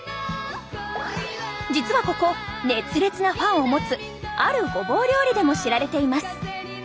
実はここ熱烈なファンを持つあるごぼう料理でも知られています！